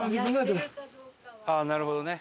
あっなるほどね。